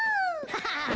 ハハハ！